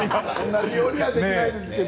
同じようにはできないですけど。